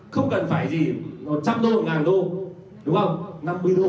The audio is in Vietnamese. không cần phải gì một trăm linh đô một đô đúng không